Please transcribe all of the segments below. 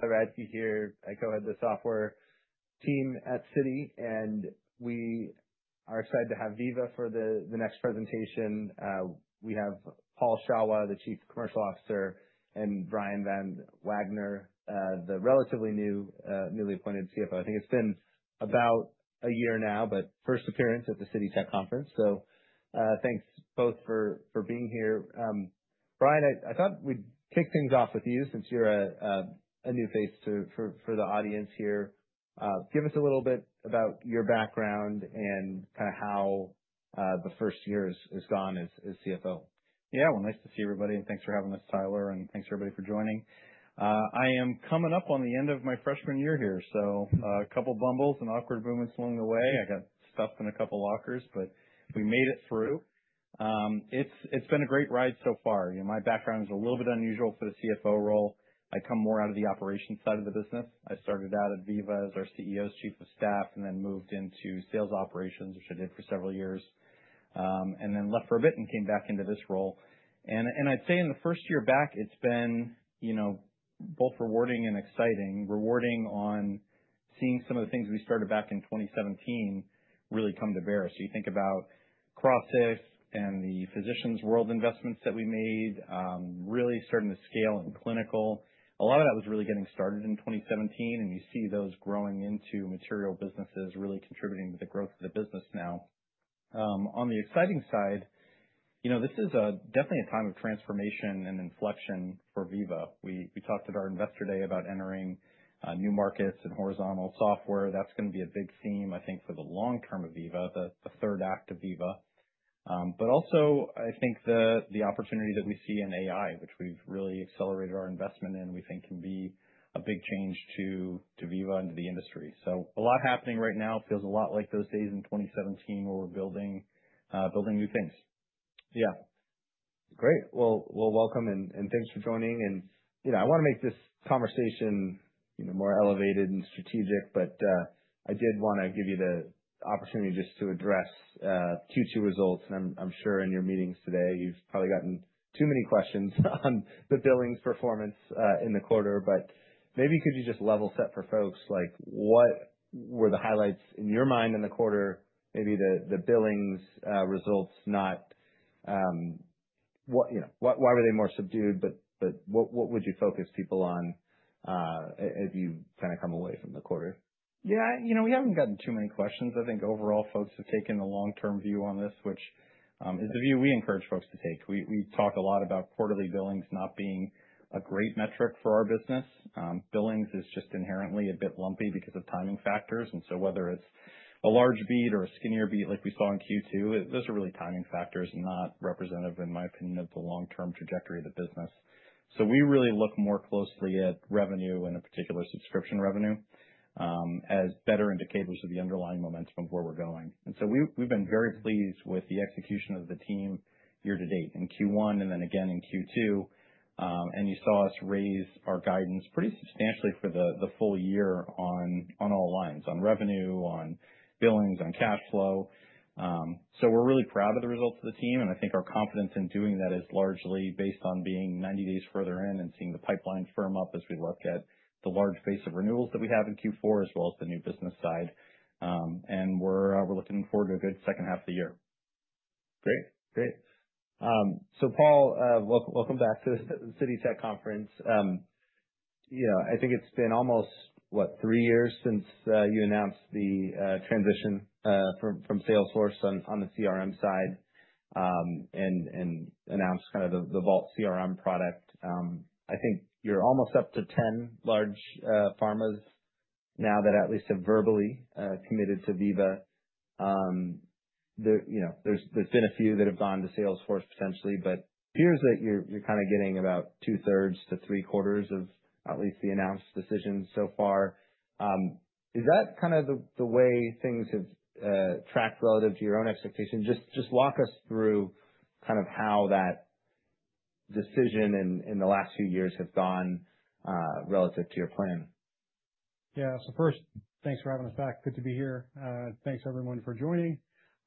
Hi, Radke here. I go ahead with the software team at Citi, and we are excited to have Veeva for the the next presentation. We have Paul Shawwa, the chief commercial officer, and Brian Van Wagner, the relatively new newly appointed CFO. I think it's been about a year now, but first appearance at the Citi Tech Conference. So thanks both for being here. Brian, I thought we'd kick things off with you since you're a new face for the audience here. Give us a little bit about your background and kind of how the first year has gone as CFO. Well, nice to see everybody, and thanks for having us, Tyler, and thanks everybody for joining. I am coming up on the end of my freshman year here. So a couple of bumbles and awkward movements along the way. I got stuff in a couple of lockers, but we made it through. It's it's been a great ride so far. You know, my background is a little bit unusual for the CFO role. I come more out of the operations side of the business. I started out at Veeva as our CEO's chief of staff and then moved into sales operations, which I did for several years, and then left for a bit and came back into this role. And I'd say in the first year back, it's been both rewarding and exciting, rewarding on seeing some of the things we started back in 2017 really come to bear. So you think about Crossix and the Physicians World investments that we made, really starting to scale in clinical, a lot of that was really getting started in 2017, and you see those growing into material businesses really contributing to the growth of the business now. On the exciting side, this is definitely a time of transformation and inflection for Veeva. We talked at our Investor Day about entering new markets and horizontal software. That's going to be a big theme, I think, for the long term of Veeva, the third act of Veeva. But also, I think the the opportunity that we see in AI, which we've really accelerated our investment in, we think can be a big change to to Veeva and to the industry. So a lot happening right now. It feels a lot like those days in 2017 where we're building building new things. Yeah. Great. Well well, welcome, and and thanks for joining. And, you know, I wanna make this conversation, you know, more elevated and strategic, but I did wanna give you the opportunity just to address Q2 results. And I'm sure in your meetings today, you've probably gotten too many questions on the billings performance in the quarter. But maybe could you just level set for folks like what were the highlights in your mind in the quarter, Maybe the the billings, results not what you know, why why were they more subdued? But but what what would you focus people on, as you kinda come away from the quarter? Yes. We haven't gotten too many questions. I think overall folks have taken a long term view on this, which is the view we encourage folks to take. We talk a lot about quarterly billings not being a great metric for our business. Billings is just inherently a bit lumpy because of timing factors. And so whether it's a large beat or a skinnier beat like we saw in Q2, those are really timing factors not representative, in my opinion, of the long term trajectory of the business. So we really look more closely at revenue and, in particular, subscription revenue, as better indicators of the underlying momentum of where we're going. And so we've been very pleased with the execution of the team year to date in Q1 and then again in Q2. And you saw us raise our guidance pretty substantially for the full year on all lines, on revenue, on billings, on cash flow. So we're really proud of the results of the team. And I think our confidence in doing that is largely based on being ninety days further in and seeing the pipeline firm up as we look at the large base of renewals that we have in Q4 as well as the new business side. And we're looking forward to a good second half of the year. Great. Great. So Paul, welcome back to Citi Tech Conference. Yeah. I think it's been almost, what, three years since, you announced the, transition, from from Salesforce on on the CRM side, and and announced kind of the the Vault CRM product. I think you're almost up to 10 large pharmas now that at least have verbally committed to Veeva. There you know, there's there's been a few that have gone to Salesforce potentially, but appears that you're kind of getting about two thirds to three quarters of at least the announced decision so far. Is that kind of the way things have tracked relative to your own expectation? Just walk us through kind of how that decision in the last few years have gone relative to your plan. Yes. So first, thanks for having us back. Good to be here. Thanks, everyone, for joining.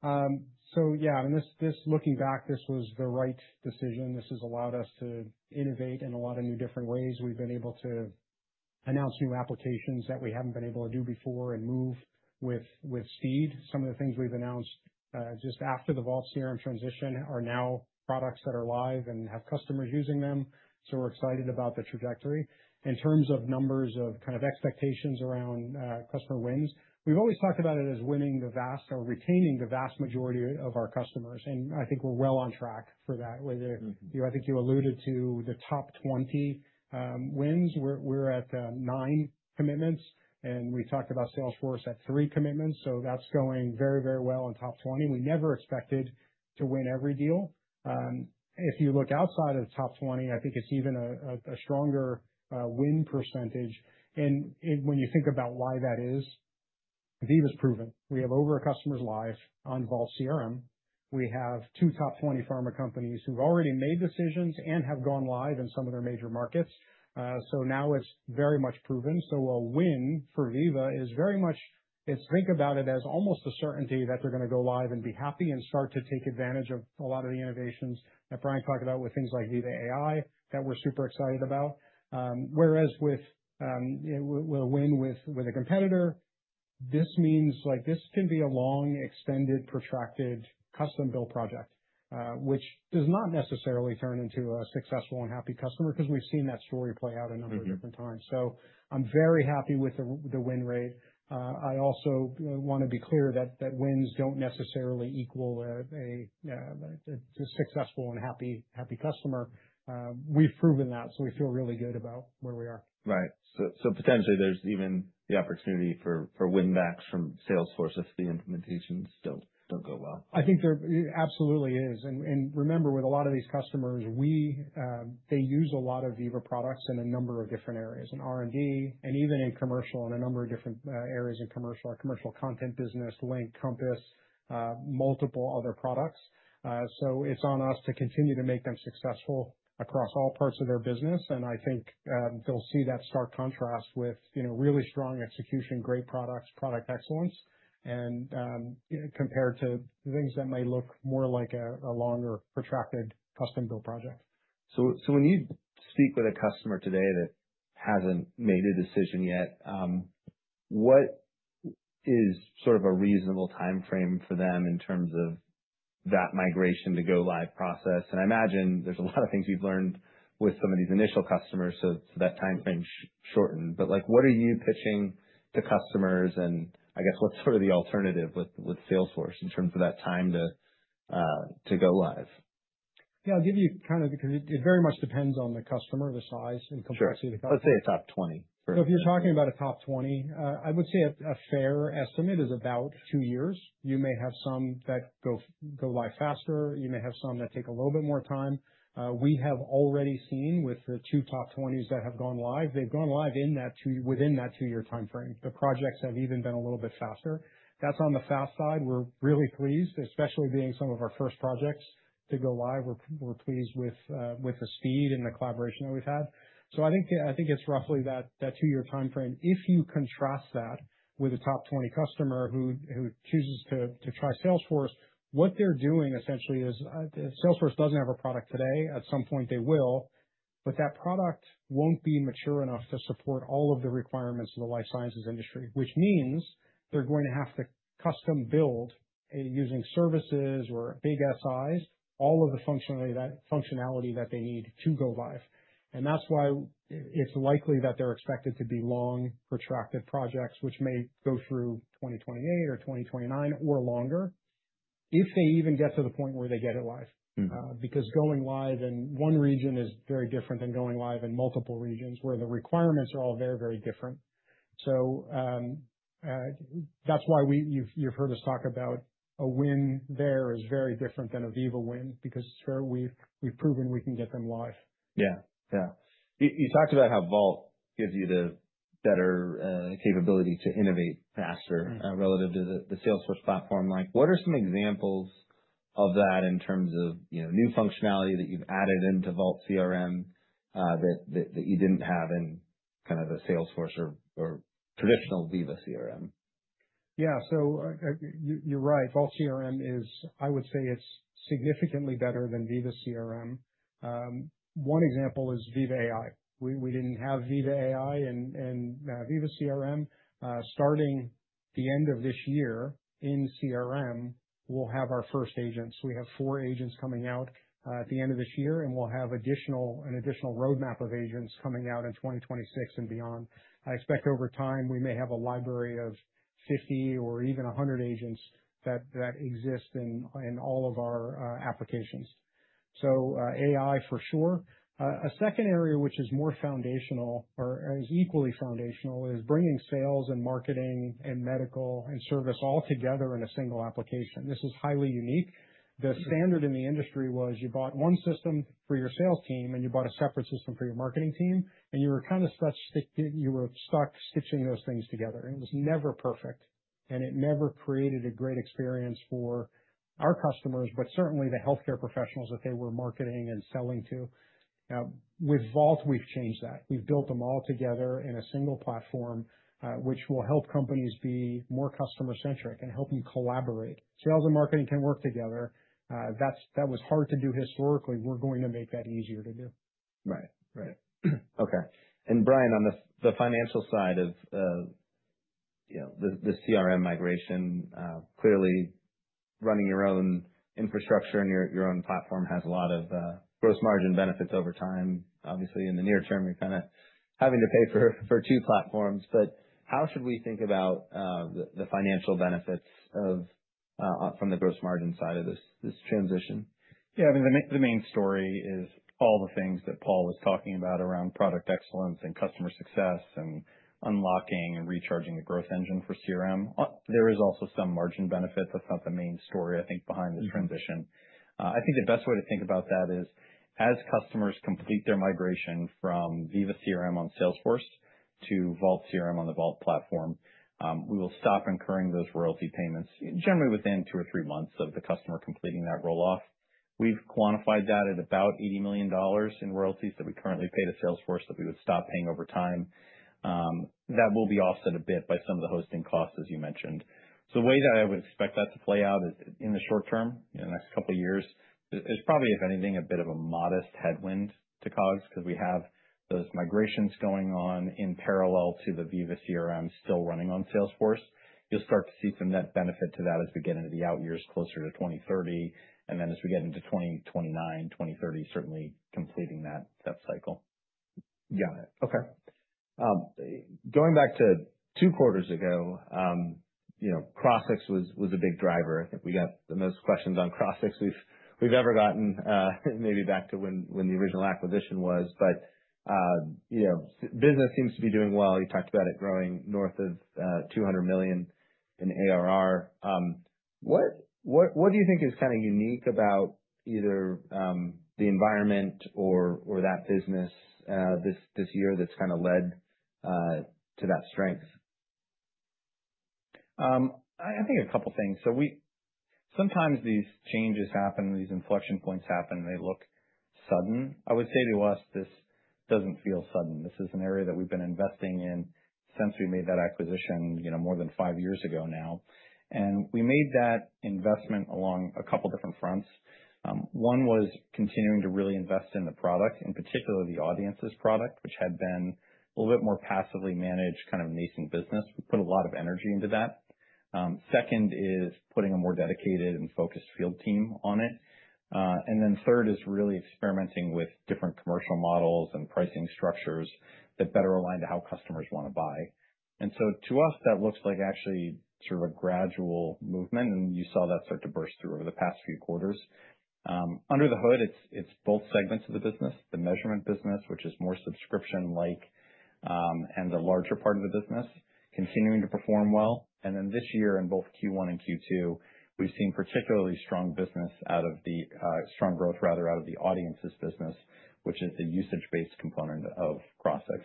So yes, I mean, this looking back, this was the right decision. This has allowed us to innovate in a lot of new different ways. We've been able to announce new applications that we haven't been able to do before and move with speed. Some of the things we've announced just after the Vault CRM transition are now products that are live and have customers using them. So we're excited about the trajectory. In terms of numbers of kind of expectations around customer wins, we've always talked about it as winning the vast or retaining the vast majority of our customers. And I think we're well on track for that. I think you alluded to the top 20 wins. We're at nine commitments and we talked about Salesforce at three commitments. So that's going very, very well in top 20. We never expected to win every deal. If you look outside of the top 20, I think it's even a stronger win percentage. And when you think about why that is, Viveve is proven. We have over a customer's life on Vault CRM. We have two top 20 pharma companies who've already made decisions and have gone live in some of their major markets. So now it's very much proven. So a win for Veeva is very much is think about it as almost a certainty that they're going to go live and be happy and start to take advantage of a lot of the innovations that Brian talked about with things like viva.ai that we're super excited about. Whereas with we'll win with a competitor, this means like this can be a long extended protracted custom built project, which does not necessarily turn into a successful and happy customer because we've seen that story play out a number So of different I'm very happy with the win rate. I also want to be clear that wins don't necessarily equal a successful and happy customer. We've proven that, so we feel really good about where we are. Right. So potentially, there's even the opportunity for win backs from Salesforce if the implementations don't go well? I think there absolutely is. And remember, with a lot of these customers, we they use a lot of Veeva products in a number of different areas, in R and D and even in commercial and a number of different areas in commercial, our commercial content business, Link, Compass, multiple other products. So it's on us to continue to make them successful across all parts of their business. And I think they'll see that stark contrast with really strong execution, great products, product excellence and, you know, compared to things that may look more like a a longer protracted custom built project. So so when you speak with a customer today that hasn't made a decision yet, what is sort of a reasonable time frame for them in terms of that migration to go live process? And I imagine there's a lot of things you've learned with some of these initial customers, so so that time frame shortened. But like what are you pitching to customers? And I guess what's sort of the alternative with Salesforce in terms of that time to go live? Yes. I'll give you kind of because it very much depends on the customer, the size and complexity Sure. Of Let's say a top 20. So if you're talking about a top 20, I would say a fair estimate is about two years. You may have some that go live faster. You may have some that take a little bit more time. We have already seen with the two top 20s that have gone live, they've gone live in that within that two year time frame. The projects have even been a little bit faster. That's on the fast side. We're really pleased, especially being some of our first projects to go live. We're pleased with the speed and the collaboration that we've had. So I think it's roughly that two year time frame. If you contrast that with a top 20 customer who chooses to try Salesforce, what they're doing essentially is Salesforce doesn't have a product today. At some point, they will. But that product won't be mature enough to support all of the requirements in the life sciences industry, which means they're going to have to custom build using services or big SIs, all of the functionality that they need to go live. And that's why it's likely that they're expected to be long, protracted projects, which may go through 2028 or 2029 or longer if they even get to the point where they get it live. Because going live in one region is very different than going live in multiple regions where the requirements are all very, very different. So that's why we you've you've heard us talk about a win there is very different than a Viva win because it's fair. We've we've proven we can get them live. Yeah. Yeah. You you talked about how Vault gives you the better capability to innovate Relative to the the Salesforce platform. Like, what are some examples of that in terms of, you know, new functionality that you've added into Vault CRM that you didn't have in kind of the Salesforce or traditional Veeva CRM? Yes. So you're right. Vault CRM is, I would say, it's significantly better than Veeva CRM. One example is Veeva AI. We didn't have Veeva AI and Veeva CRM. Starting the end of this year in CRM, we'll have our first agents. We have four agents coming out at the end of this year, and we'll have additional an additional road map of agents coming out in 2026 and beyond. I expect over time, we may have a library of 50 or even 100 agents that exist in all of our applications. So AI, for sure. A second area, which is more foundational or as equally foundational is bringing sales and marketing and medical and service all together in a single application. This is highly unique. The standard in the industry was you bought one system for your sales team and you bought a separate system for your marketing team, and you were kind of stuck sticking, you were stuck stitching those things together. It was never perfect and it never created a great experience for our customers, but certainly the health care professionals that they were marketing and selling to. With Vault, we've changed that. We've built them all together in a single platform, which will help companies be more customer centric and help them collaborate. Sales and marketing can work together. That was hard to do historically. We're going to make that easier to do. Right. Right. Okay. And Brian, on the the financial side of, you know, the the CRM migration, clearly, running your own infrastructure and your your own platform has a lot of gross margin benefits over time. Obviously, in the near term, you're kind of having to pay for two platforms. But how should we think about the financial benefits of from the gross margin side of this transition? Yes. Mean the main story is all the things that Paul was talking about around product excellence and customer success and unlocking and recharging the growth engine for CRM. There is also some margin benefit. That's not the main story, I think, behind the transition. I think the best way to think about that is as customers complete their migration from Viva CRM on Salesforce to Vault CRM on the Vault platform, we will stop incurring those royalty payments generally within two or three months of the customer completing that roll off. We've quantified that at about $80,000,000 in royalties that we currently pay to Salesforce that we would stop paying over time. That will be offset a bit by some of the hosting costs, as you mentioned. So the way that I would expect that to play out in the short term, in the next couple of years, is probably, if anything, a bit of a modest headwind to COGS because we have those migrations going on in parallel to the Viva CRM still running on Salesforce. You'll start to see some net benefit to that as we get into the out years closer to 02/1930. And then as we get into 2029, 02/1930, certainly completing that cycle. Got it. Okay. Going back to two quarters ago, Crossix was a big driver. I think we got the most questions on Crossix we've ever gotten, maybe back to when the original acquisition was. But business seems to be doing well. You talked about it growing north of $200,000,000 in ARR. What do you think is kind of unique about either the environment or that business this year that's kind of led to that strength? Think a couple of things. So we sometimes these changes happen, these inflection points happen, and they look sudden. I would say to us, this doesn't feel sudden. This is an area that we've been investing in since we made that acquisition more than five years ago now. And we made that investment along a couple of different fronts. One was continuing to really invest in the product, in particular, the Audiences product, which had been a little bit more passively managed kind of nascent business. We put a lot of energy into that. Second is putting a more dedicated and focused field team on it. And then third is really experimenting with different commercial models and pricing structures that better align to how customers want to buy. And so to us, that looks like actually sort of a gradual movement, and you saw that start to burst through over the past few quarters. Under the hood, it's both segments of the business, the measurement business, which is more subscription like and the larger part of the business, continuing to perform well. And then this year, in both Q1 and Q2, we've seen particularly strong business out of the strong growth, rather, out of the Audiences business, which is the usage based component of Crossix.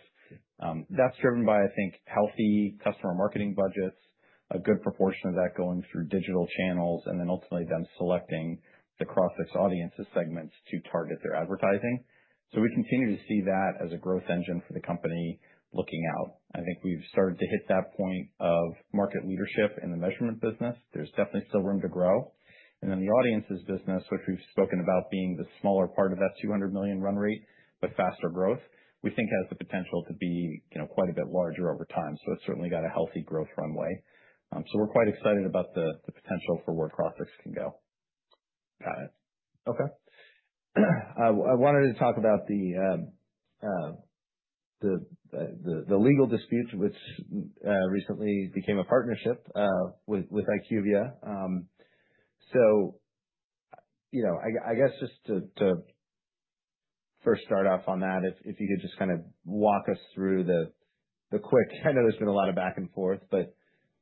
That's driven by, I think, healthy customer marketing budgets, a good proportion of that going through digital channels and then ultimately them selecting the Crossix audiences segments to target their advertising. So we continue to see that as a growth engine for the company looking out. I think we've started to hit that point of market leadership in the measurement business. There's definitely still room to grow. And then the Audiences business, which we've spoken about being the smaller part of that $200,000,000 run rate, but faster growth, we think has the potential to be quite a bit larger over time. So it's certainly got a healthy growth runway. So we're quite excited about the potential for where Crossix can go. Got it. Okay. I I wanted to talk about the, the the the legal dispute, which, recently became a partnership, with with IQVIA. So, you know, I I guess just to to first start off on that, if if you could just kinda walk us through the the quick I know there's been a lot of back and forth, but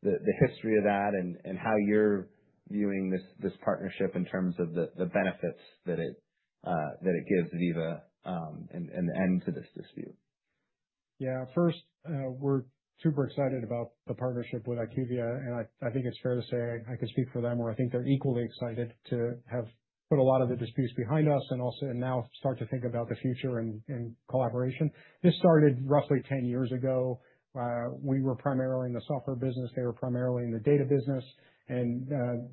the the history of that and and how you're viewing this partnership in terms of benefits that it gives Veeva an end to this dispute. Yes. First, we're super excited about the partnership with IQVIA. And think it's fair to say I can speak for them, or I think they're equally excited to have put a lot of the disputes behind us and also and now start to think about the future and collaboration. This started roughly ten years ago. We were primarily in the software business. They were primarily in the data business. And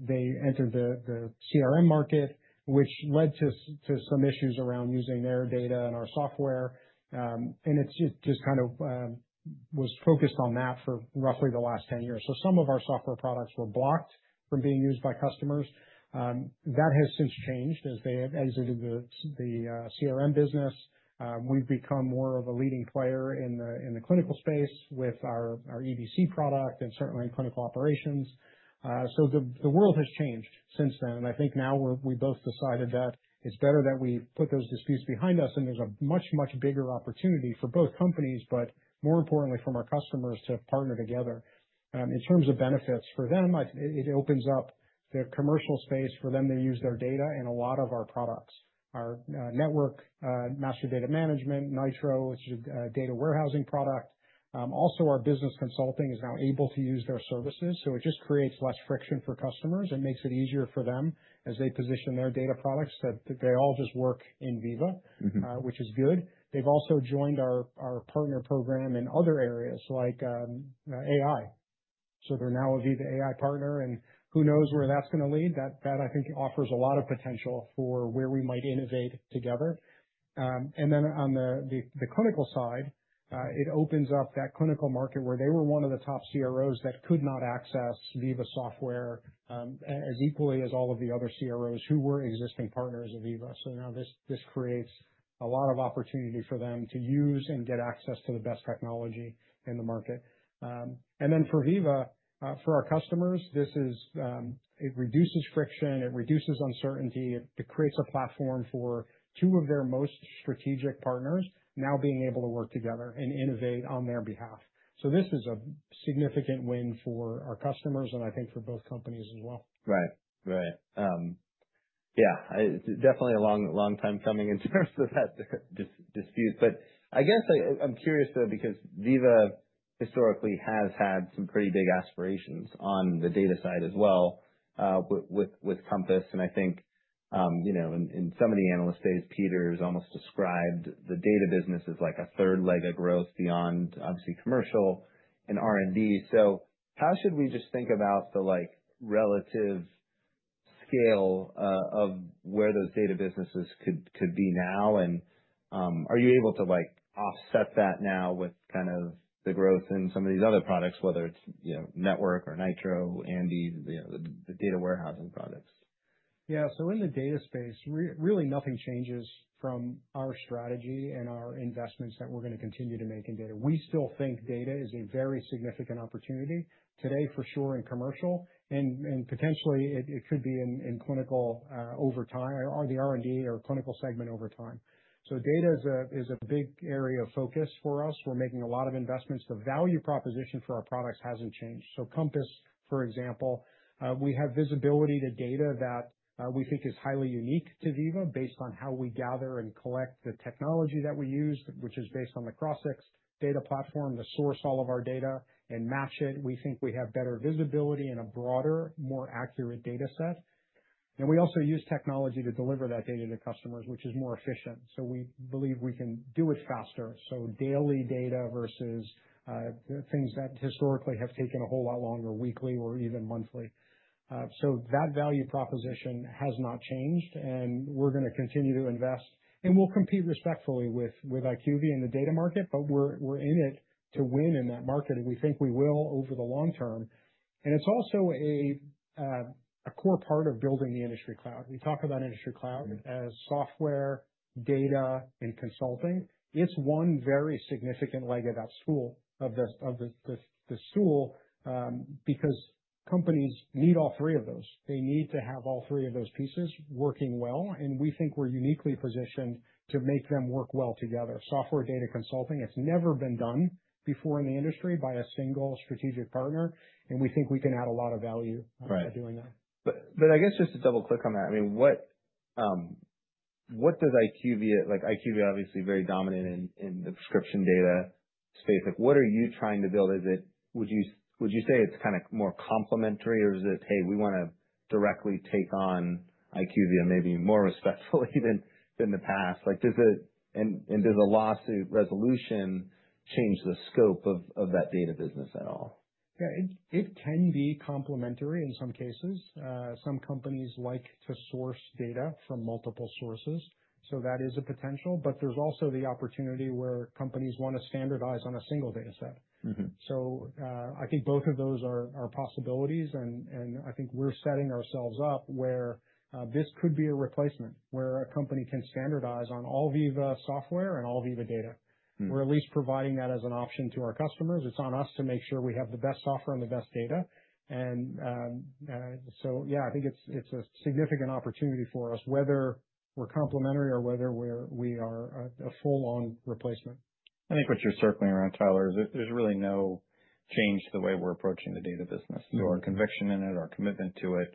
they entered the CRM market, which led to some issues around using their data and our software. And it's just kind of was focused on that for roughly the last ten years. So some of our software products were blocked from being used by customers. That has since changed as they have exited the CRM business. We've become more of a leading player in the clinical space with our EDC product and certainly in clinical operations. So the world has changed since then. And I think now we both decided that it's better that we put those disputes behind us and there's a much, much bigger opportunity for both companies, but more importantly, our customers to partner together. In terms of benefits for them, it opens up their commercial space for them to use their data and a lot of our products. Our network, Master Data Management, Nitro, which is a data warehousing product. Also, our business consulting is now able to use their services. So it just creates less friction for customers and makes it easier for them as they position their data products that they all just work in Veeva, which is good. They've also joined our partner program in other areas like AI. So they're now a Veeva AI partner and who knows where that's going to lead. That, I think, offers a lot of potential for where we might innovate together. And then on the clinical side, it opens up that clinical market where they were one of the top CROs that could not access Veeva software as equally as all of the other CROs who were existing partners of Veeva. So now this creates a lot of opportunity for them to use and get access to the best technology in the market. And then for Veeva, for our customers, this is it reduces friction, it reduces uncertainty, it creates a platform for two of their most strategic partners now being able to work together and innovate on their behalf. So this is a significant win for our customers and I think for both companies as well. Right. Right. Yeah. I definitely a long long time coming in terms of that dispute. But I guess I'm curious though because Veeva historically has had some pretty big aspirations on the data side as well with Compass. And I think in some of the Analyst Days, Peter has almost described the data business as like a third leg of growth beyond, obviously, commercial and R and D. So how should we just think about the, scale of where those data businesses could be now? And are you able to like offset that now with kind of the growth in some of these other products, whether it's network or Nitro, Andy, the data warehousing products? Yes. So in the data space, really nothing changes from our strategy and our investments that we're going to continue to make in data. We still think data is a very significant opportunity today for sure in commercial and potentially it could be in clinical over time or the R and D or clinical segment over time. So data is big area of focus for us. We're making a lot of investments. The value proposition for our products hasn't changed. So Compass, for example, we have visibility to data that we think is highly unique to Veeva based on how we gather and collect the technology that we use, which is based on the Crossix data platform to source all of our data and match it. We think we have better visibility and a broader, more accurate data set. And we also use technology to deliver that data to customers, which is more efficient. So we believe we can do it faster. So daily data versus things that historically have taken a whole lot longer weekly or even monthly. So that value proposition has not changed, and we're going to continue to invest. And we'll compete respectfully with IQVIA in the data market, but we're in it to win in that market, and we think we will over the long term. And it's also a core part of building the industry cloud. We talk about industry cloud as software, data and consulting. It's one very significant leg of that stool of the stool, because companies need all three of those. They need to have all three of those pieces working well, and we think we're uniquely positioned to make them work well together. Software data consulting, it's never been done before in the industry by a single strategic partner, and we think we can add a lot of value Right. By doing that. But but I guess just to double click on that, I mean, what what does IQVIA like, IQVIA obviously very dominant in in the prescription data space. Like, what are you trying to build? Is it would you would you say it's kinda more complementary, or is it, hey. We wanna directly take on IQVIA maybe more respectfully than the past? Like does it and does the lawsuit resolution change the scope of that data business at all? Yes. It can be complementary in some cases. Some companies like to source data from multiple sources. So that is a potential, but there's also the opportunity where companies want to standardize on a single dataset. So I think both of those are possibilities and I think we're setting ourselves up where this could be a replacement where a company can standardize on all Veeva software and all Veeva data. We're at least providing that as an option to our customers. It's on us to make sure we have the best software and the best data. And so yes, think it's a significant opportunity for us, whether we're complementary or whether we are a full on replacement. I think what you're circling around, Tyler, is that there's really no change to the way we're approaching the data business. So our conviction in it, our commitment to it,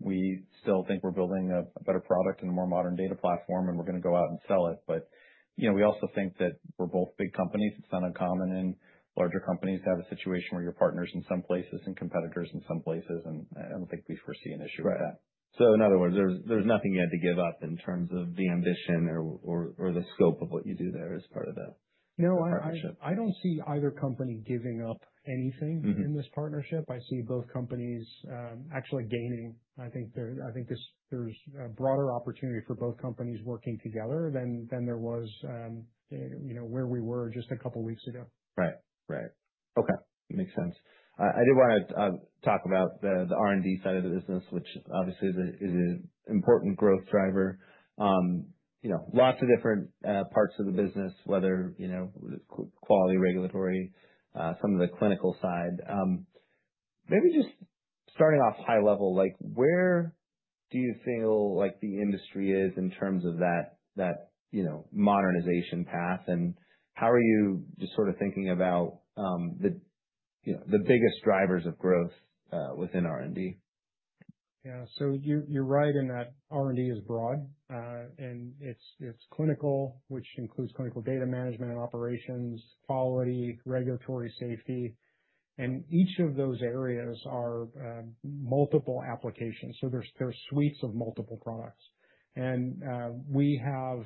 we still think we're building a better product and a more modern data platform, and we're going to go out and sell it. But we also think that we're both big companies. It's not uncommon. And larger companies have a situation where your partners in some places and competitors in some places, and I don't think we foresee an issue with So in other words, there's nothing you had to give up in terms of the ambition or the scope of what you do there as part of No. Don't see either company giving up anything in this partnership. I see both companies actually gaining. I think there's broader opportunity for both companies working together than there was where we were just a couple of weeks ago. Right. Right. Okay. It makes sense. I do want to talk about the R and D side of the business, which obviously is an important growth driver. Lots of different parts of the business, whether quality, regulatory, some of the clinical side. Maybe just starting off high level, like where do you feel like the industry is in terms of that modernization path? And how are you just sort of thinking about the biggest drivers of growth within R and D? Yes. So you're right in that R and D is broad. And it's clinical, which includes clinical data management and operations, quality, regulatory safety. And each of those areas are multiple applications. So there's suites of multiple products. And we have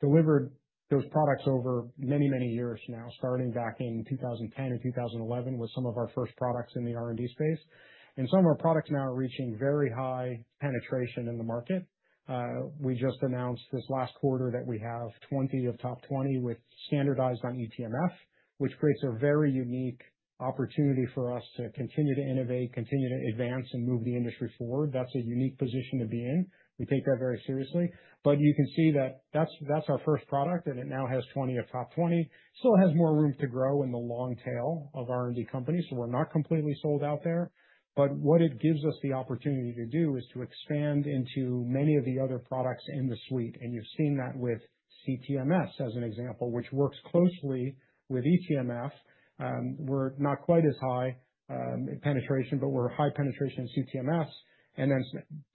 delivered those products over many, many years now, starting back in 2010 and 2011 with some of our first products in the R and D space. And some of our products now are reaching very high penetration in the market. We just announced this last quarter that we have 20 of top 20 with standardized on eTMF, which creates a very unique opportunity for us to continue to innovate, continue to advance and move the industry forward. That's a unique position to be in. We take that very seriously. But you can see that that's our first product, and it now has 20 of top 20. Still has more room to grow in the long tail of R and D companies. So we're not completely sold out there. But what it gives us the opportunity to do is to expand into many of the other products in the suite. And you've seen that with CTMS, as an example, which works closely with eTMF. We're not quite as high penetration, but we're high penetration in CTMS. And then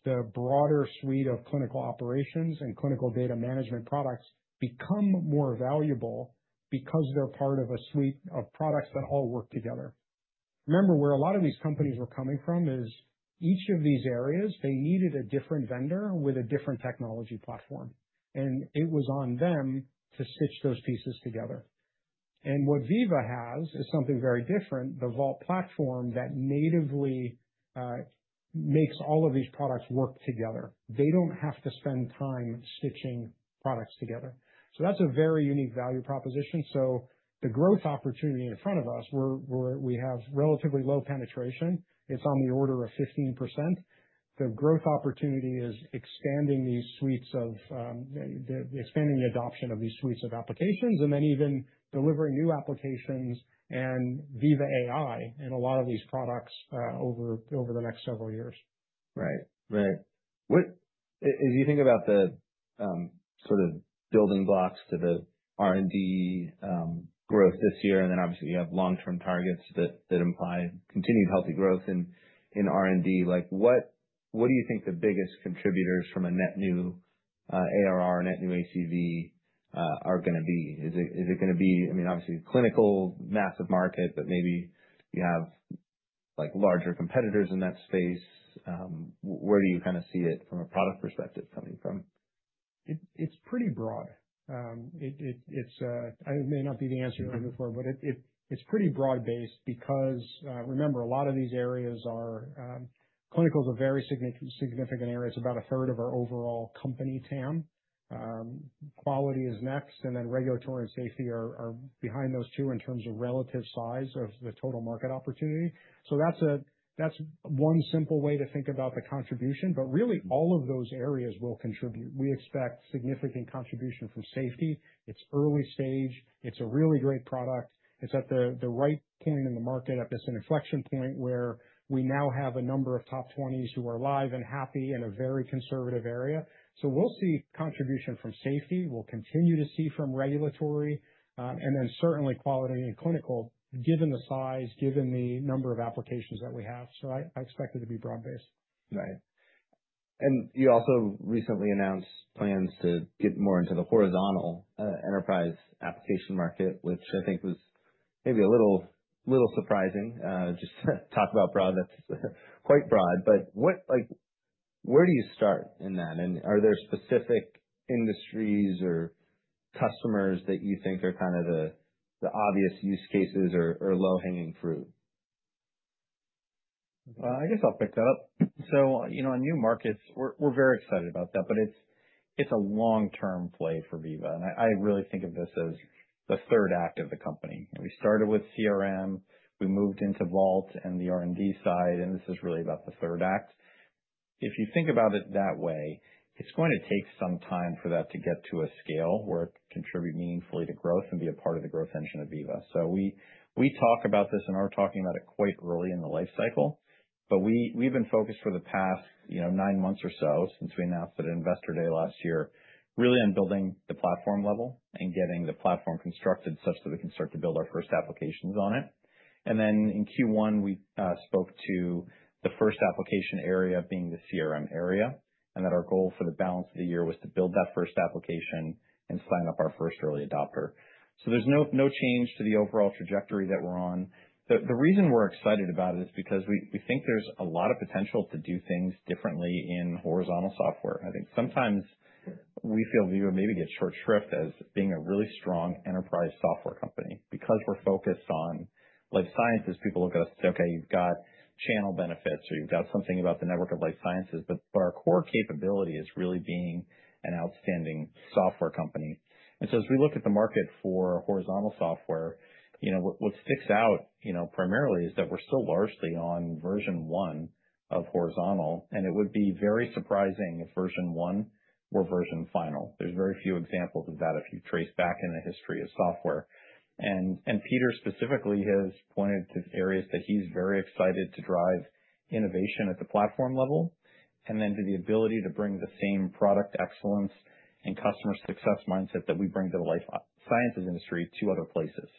the broader suite of clinical operations and clinical data management products become more valuable because they're part of a suite of products that all work together. Remember, where a lot of these companies were coming from is each of these areas, they needed a different vendor with a different technology platform, And it was on them to stitch those pieces together. And what Veeva has is something very different, the Vault platform that natively makes all of these products work together. They don't have to spend time stitching products together. So that's a very unique value proposition. So the growth opportunity in front of us, we have relatively low penetration. It's on the order of 15%. The growth opportunity expanding the adoption of these suites of applications and then even delivering new applications and Viva dot ai in a lot of these products over the next several years. Right, right. What as you think about the sort of building blocks to the R and D growth this year, and then obviously, you have long term targets that imply continued healthy growth in R and D. Like, what what do you think the biggest contributors from a net new, ARR, net new ACV, are gonna be? Is it is it gonna be I mean, obviously, clinical, massive market, but maybe you have, like larger competitors in that space. Where do you kind of see it from a product perspective coming from? It's pretty broad. It's it may not be the answer you're looking for, but it's pretty broad based because remember, a lot of these areas are clinical is a very significant area. It's about onethree of our overall company TAM. Quality is next and then regulatory safety are behind those two in terms of relative size of the total market opportunity. So that's one simple way to think about the contribution, but really all of those areas will contribute. We expect significant contribution from safety. It's early stage. It's a really great product. It's at the right point in the market at this inflection point where we now have a number of top 20s who are alive and happy in a very conservative area. So we'll see contribution from safety. We'll continue to see from regulatory, and then certainly quality and clinical, given the size, given the number of applications that we have. So I expect it to be broad based. Right. And you also recently announced plans to get more into the horizontal, enterprise application market, which I think was maybe a little little surprising, just to talk about products, quite broad. But what like, where do you start in that? And are there specific industries or customers that you think are kind of the the obvious use cases or or low hanging fruit? I guess I'll pick that up. So, you know, on new markets, we're we're very excited about that, but it's it's a long term play for Veeva. And I I really think of this as the third act of the company. And we started with CRM. We moved into Vault and the R and D side, and this is really about the third act. If you think about it that way, it's going to take some time for that to get to a scale where it contribute meaningfully to growth and be a part of the growth engine of Veeva. So we talk about this and are talking about quite early in the life cycle. But we've been focused for the past nine months or so since we announced at Investor Day last year, really on building the platform level and getting the platform constructed such that we can start to build our first applications on it. And then in Q1, we spoke to the first application area being the CRM area and that our goal for the balance of the year was to build that first application and sign up our first early adopter. So there's no change to the overall trajectory that we're on. The reason we're excited about it is because we think there's a lot of potential to do things differently in horizontal software. I think sometimes we feel we will maybe get short shrift as being a really strong enterprise software company. Because we're focused on life sciences, people look at us and say, okay, you've got channel benefits or you've got something about the network of life sciences, but our core capability is really being an outstanding software company. And so as we look at the market for horizontal software, what sticks out primarily is that we're still largely on version one of horizontal and it would be very surprising if version one or version final. There's very few examples of that if you trace back in the history of software. And Peter specifically has pointed to areas that he's very excited to drive innovation at the platform level and then to the ability to bring the same product excellence and customer success mindset that we bring to life sciences industry to other places.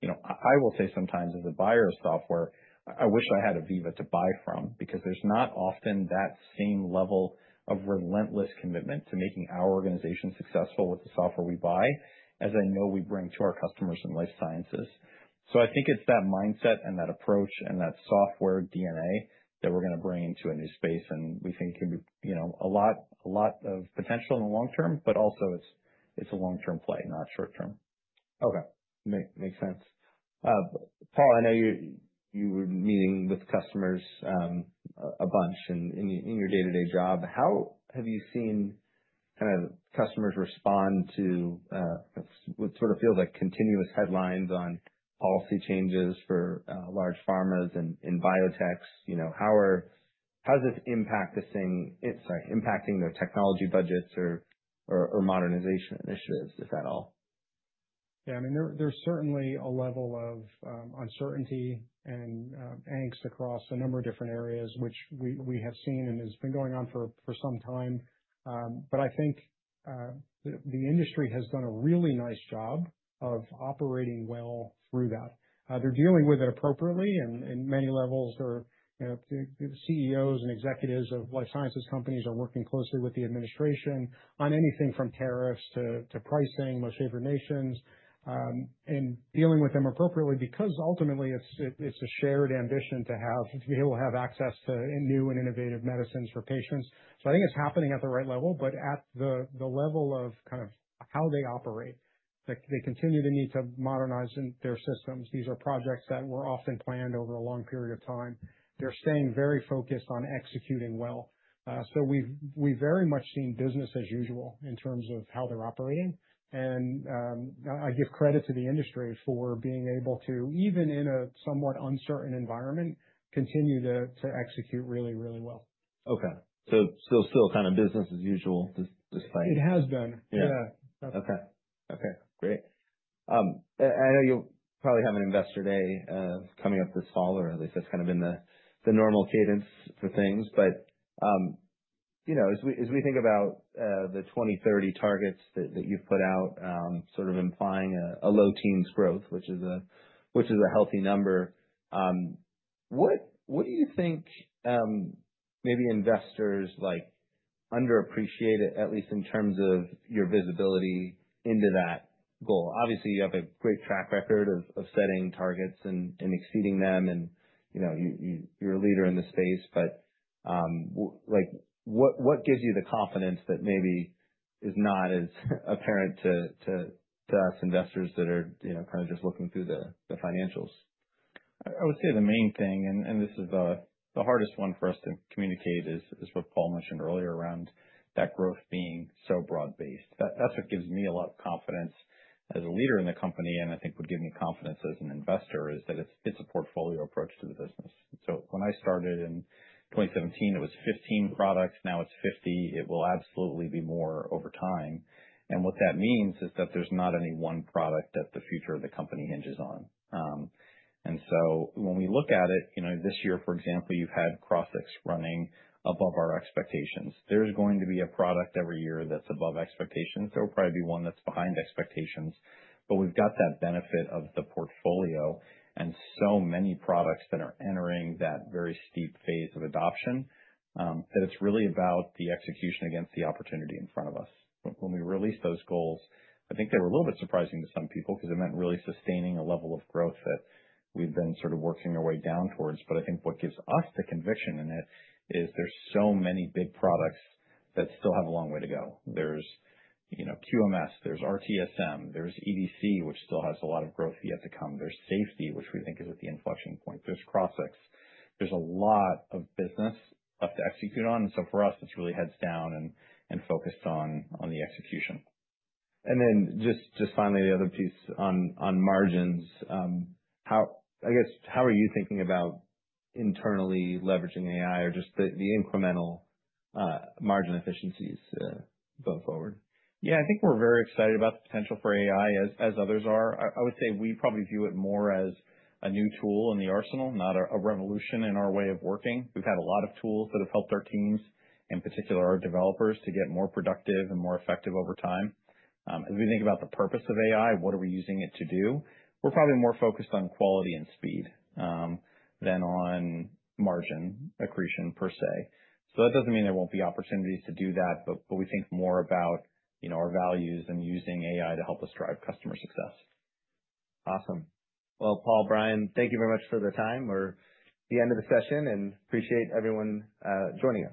You know, I will say sometimes as a buyer of software, I wish I had Aviva to buy from because there's not often that same level of relentless commitment to making our organization successful with the software we buy as I know we bring to our customers in life sciences. So I think it's that mindset and that approach and that software DNA that we're going to bring into a new space and we think can be of potential in the long term, but also it's a long term play, not short term. Okay. Makes sense. Paul, I know you were meeting with customers a bunch in your day to day job. How have you seen kind of customers respond to what sort of feels like continuous headlines on policy changes for large pharmas and biotechs? How are how is this impacting their technology budgets or modernization initiatives, if at all? Yes. Mean there's certainly a level of uncertainty and angst across a number of different areas, which we have seen and has been going on for some time. But I think the industry has done a really nice job of operating well through that. They're dealing with it appropriately. And in many levels, the CEOs and executives of life sciences companies are working closely with the administration on anything from tariffs to pricing, most favored nations, and dealing with them appropriately because ultimately, it's a shared ambition to have to be able to have access to a new and innovative medicines for patients. So I think it's happening at the right level, but at the level of kind of how they operate, they continue to need to modernize their systems. These are projects that were often planned over a long period of time. They're staying very focused on executing well. So we've very much seen business as usual in terms of how they're operating. And I give credit to the industry for being able to, even in a somewhat uncertain environment, continue to execute really, really well. Okay. So still kind of business as usual despite It has been. Yes. Okay. Great. I know you'll probably have an Investor Day coming up this fall or at least that's kind of been the normal cadence for things. But as we think about the 2,030 targets that you've put out, sort of implying a low teens growth, which is a healthy number, what do you think maybe investors like underappreciated, at least in terms of your visibility into that goal? Obviously, you have a great track record of setting targets and exceeding them, and you're a leader in the space. But like what gives you the confidence that maybe is not as apparent to us investors that are kind of just looking through the financials? I would say the main thing, and this is the hardest one for us to communicate is what Paul mentioned earlier around that growth being so broad based. That's what gives me a lot of confidence as a leader in the company and I think would give me confidence as an investor is that it's a portfolio approach to the business. So when I started in 2017, it was 15 products. Now it's 50. It will absolutely be more over time. And what that means is that there's not any one product that the future of the company hinges on. And so when we look at it, this year, for example, you've had Crossix running above our expectations. There's going to be a product every year that's above expectations. There will probably be one that's behind expectations. But we've got that benefit of the portfolio and so many products that are entering that very steep phase of adoption that it's really about the execution against the opportunity in front of us. When we released those goals, I think they were a little bit surprising to some people because it meant really sustaining a level of growth that we've been sort of working our way down towards. But I think what gives us the conviction in it is there's so many big products that still have a long way to go. There's QMS, there's RTSM, there's EDC, which still has a lot of growth yet to come. There's safety, which we think is at the inflection point. There's cross x. There's a lot of business up to execute on. And so for us, it's really heads down and focused on the execution. And then just finally, the other piece on margins. How I guess, how are you thinking about internally leveraging AI or just the incremental margin efficiencies going forward? Yes. I think we're very excited about the potential for AI as others are. I would say we probably view it more as a new tool in the arsenal, not a revolution in our way of working. We've had a lot of tools that have helped our teams, in particular, our developers to get more productive and more effective over time. As we think about the purpose of AI, what are we using it to do, We're probably more focused on quality and speed, than on margin accretion per se. So that doesn't mean there won't be opportunities to do that, but but we think more about, you know, our values and using AI to help us drive customer success. Awesome. Well, Paul, Brian, thank you very much for the time. We're the end of the session, and appreciate everyone, joining us.